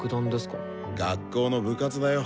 学校の部活だよ。